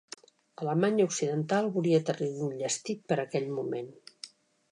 Alemanya Occidental volia tenir-lo enllestit per a aquell moment.